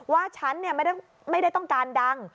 ว่าฉันไม่ได้ต้องการดัง